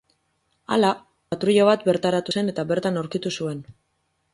Hala, patruila bat bertaratu zen eta bertan aurkitu zuen.